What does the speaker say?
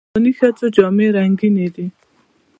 د افغاني ښځو جامې رنګینې دي.